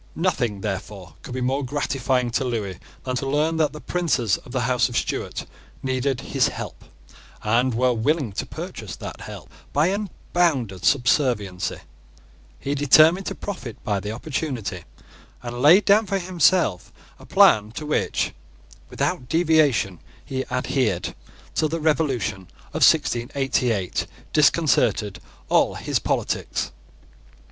Nothing, therefore, could be more gratifying to Lewis than to learn that the princes of the House of Stuart needed his help, and were willing to purchase that help by unbounded subserviency. He determined to profit by the opportunity, and laid down for himself a plan to which, without deviation, he adhered, till the Revolution of 1688 disconcerted all his politics.